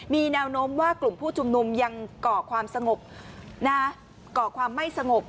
มีแนวโน้มว่ากลุ่มผู้จุ่มหนุ่มยังเกาะความไม่สงบ